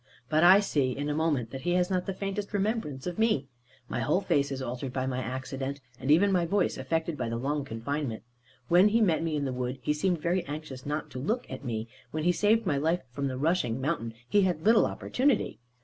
But I see, in a moment, that he has not the faintest remembrance of me. My whole face is altered by my accident, and even my voice affected by the long confinement. When he met me in the wood, he seemed very anxious not to look at me; when he saved my life from the rushing mountain, he had little opportunity.